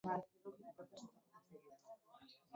Zuek egin duzue posible.